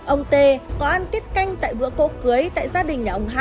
ông t có ăn tiết canh tại bữa cố cưới tại gia đình nhà ông h